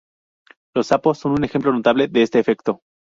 Los sapos son un ejemplo notable de este efecto.